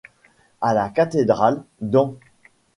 à la cathédrale, dent.